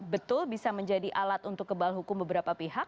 betul bisa menjadi alat untuk kebal hukum beberapa pihak